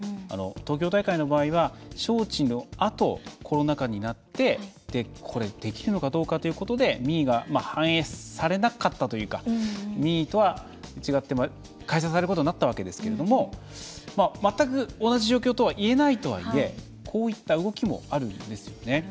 東京大会の場合は、招致のあとコロナ禍になってできるのかどうかということで民意が反映されなかったというか民意とは違って開催されることになったわけですけれども全く同じ状況とは言えないとはいえこういった動きもあるんですよね。